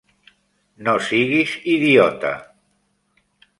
No siguis idiota!